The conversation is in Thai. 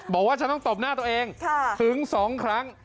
บอกว่าฉันต้องตบหน้าตัวเองถึง๒ครั้ง